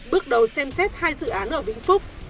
bước đầu xem xét hai dự án ở vĩnh phúc